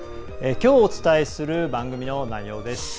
きょうお伝えする番組の内容です。